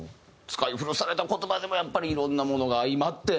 使い古された言葉でもやっぱりいろんなものが相まって。